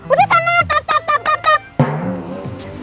udah sana tap tap tap tap tap